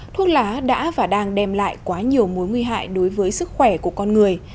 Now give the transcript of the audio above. thuốc lá đã và đang đem lại quá nhiều mối nguy hại đối với sức khỏe của con người